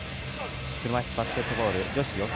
車いすバスケットボール女子予選